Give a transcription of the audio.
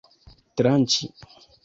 tranĉi